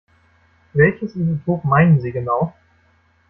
Welches Isotop meinen Sie genau?